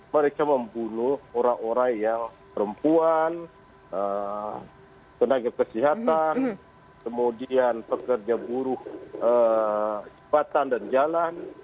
mereka membunuh orang orang yang perempuan tenaga kesehatan kemudian pekerja buruh jembatan dan jalan